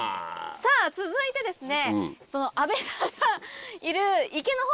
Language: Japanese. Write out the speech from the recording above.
さぁ続いてですね。